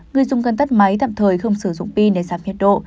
người dùng cần tắt máy tạm thời không sử dụng pin để giảm nhiệt độ